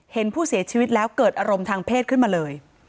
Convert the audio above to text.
เห็นผู้เสียชีวิตแล้วเกิดอารมณ์ทางเพศขึ้นมาเลย